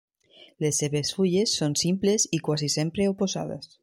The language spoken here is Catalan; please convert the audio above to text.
Les seves fulles són simples i quasi sempre oposades.